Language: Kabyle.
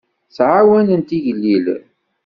Ttɛawanent igellilen.